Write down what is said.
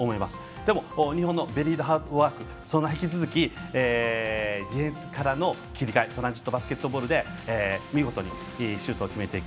でも、日本のベリーハードワークそのまま、引き続きディフェンスからの切り替えトランジットバスケットボールで見事にシュートを決めていく。